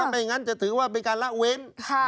ไม่งั้นจะถือว่าเป็นการละเว้น